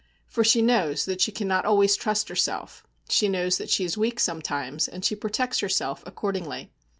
For she knows that she cannot always trust herself; she knows that she is weak sometimes, and she protects herself accordingly.